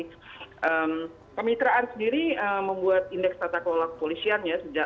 jadi kemitraan sendiri membuat indeks tata kelola kepolisian ya